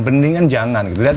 beningan jangan gitu